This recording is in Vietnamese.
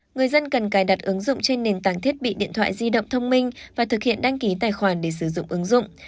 người dân cần cài đặt ứng dụng trên nền tảng thiết bị điện thoại di động thông minh và thực hiện đăng ký tài khoản để sử dụng ứng dụng